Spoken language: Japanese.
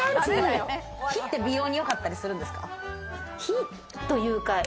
火って美容によかったりするんですか？